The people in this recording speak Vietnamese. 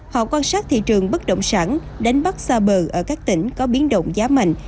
họ quan sát thị trường bất động sản đánh bắt xa bờ ở các tỉnh có biến động giá mạnh